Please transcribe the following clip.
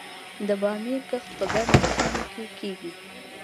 د بامیې کښت په ګرمو سیمو کې کیږي؟